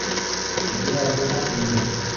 Mantiene las hojas en invierno.